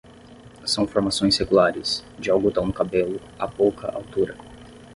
São formações regulares, de algodão no cabelo, a pouca altura.